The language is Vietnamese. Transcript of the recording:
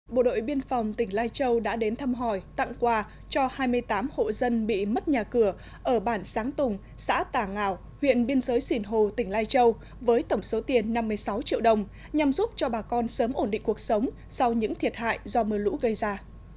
bộ đội biên phòng tỉnh lai châu đã đến thăm hỏi tặng quà cho hai mươi tám hộ dân bị mất nhà cửa ở bản sáng tùng xã tà ngào huyện biên giới sìn hồ tỉnh lai châu với tổng số tiền năm mươi sáu triệu đồng nhằm giúp cho bà con sớm ổn định cuộc sống sau những thiệt hại do mưa lũ gây ra